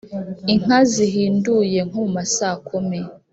Inka zihinduye (nko mu masaa kumi)